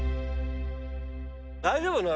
大丈夫なの？